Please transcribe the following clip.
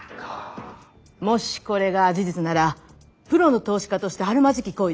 もしこれが事実ならプロの投資家としてあるまじき行為です。